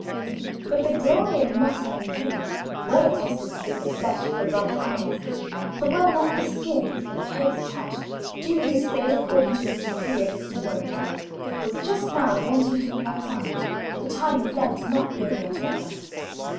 But the glory of mutton and veal (well attested to be the flesh of the right animals; for were not the skins, with the heads attached, duly displayed, according to the decree of the Signoria?) was just now wanting to the Mercato, the time of Lent not being yet over.